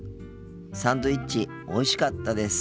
サンドイッチおいしかったです。